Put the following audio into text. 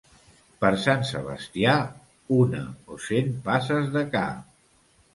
Per Sant Sebastià, una o cent passes de ca.